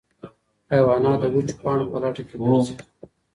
حیوانات د وچو پاڼو په لټه کې ګرځي.